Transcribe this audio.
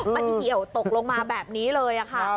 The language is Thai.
มันเหี่ยวตกลงมาแบบนี้เลยค่ะ